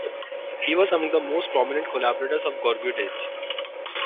He was among the most prominent collaborators of Gheorghiu-Dej.